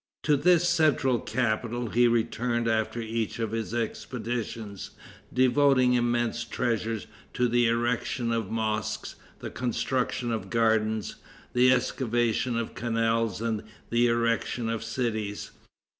To this central capital he returned after each of his expeditions, devoting immense treasures to the erection of mosques, the construction of gardens, the excavation of canals and the erection of cities.